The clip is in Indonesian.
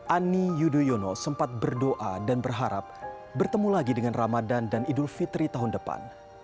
ani yudhoyono sempat berdoa dan berharap bertemu lagi dengan ramadan dan idul fitri tahun depan